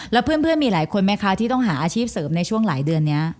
แล้วเพื่อนมีหลายคนไหมคะที่ต้องหาอาชีพเสริมในช่วงหลายเดือนนี้